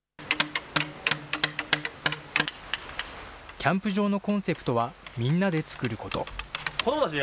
キャンプ場のコンセプトは、みんなで作ること。